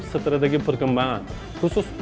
strategi perkembangan khusus